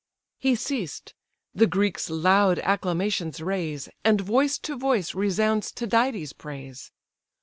He ceased; the Greeks loud acclamations raise, And voice to voice resounds Tydides' praise.